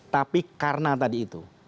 tapi karena tadi itu